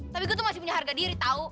tapi gue tuh masih punya harga diri tahu